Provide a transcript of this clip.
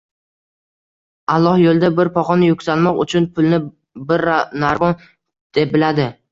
Alloh yo'lida bir pog'ona yuksalmoq uchun pulni bir narvon deb biladi